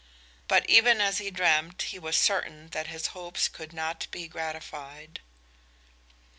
But even as he dreamed, he was certain that his hopes could not be gratified.